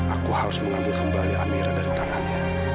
aku harus mengambil kembali amira dari tanganmu